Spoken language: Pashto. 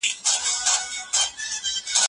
ما خپلې خور ته نوې جامې واخیستې.